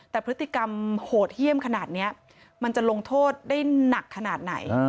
แต่พฤติกรรมโหดเยี่ยมขนาดนี้มันจะลงโทษได้หนักขนาดไหน